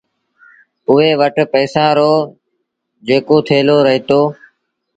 اُئي وٽ پئيسآݩ رو جيڪو ٿيلو رهيٚتو